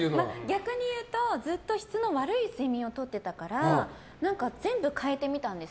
逆に言うと、ずっと質の悪い睡眠をとってたから全部変えてみたんです。